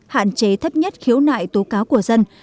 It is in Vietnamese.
hạn chế thấp nhất khiếu nại tố cáo của dân